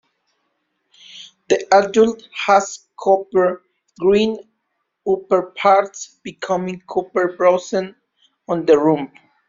The adult has copper-green upperparts, becoming copper-bronze on the rump.